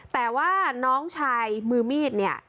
แต่ว่าน้องชายมือมีดเนี่ย